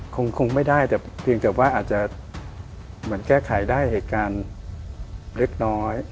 คงไม่ได้แต่เพียงแต่ว่าอาจจะเหมือนแก้ไขได้เหตุการณ์เล็กน้อย